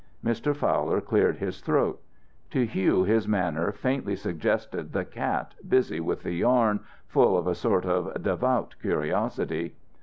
Mr. Fowler cleared his throat. To Hugh his manner faintly suggested the cat busy with the yarn, full of a sort of devout curiosity.